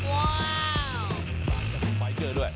ว้าว